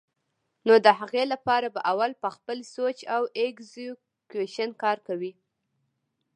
نو د هغې له پاره به اول پۀ خپل سوچ او اېکزیکيوشن کار کوي